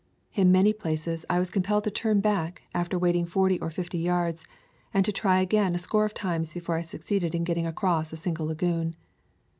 In many places I was compelled to turn back, after wading forty or fifty yards, and to try again a score of times before I succeeded in getting across a single lagoon.